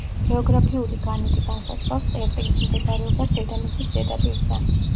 გეოგრაფიული განედი განსაზღვრავს წერტილის მდებარეობას დედამიწის ზედაპირზე.